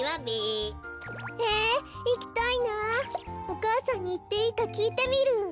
お母さんにいっていいかきいてみる。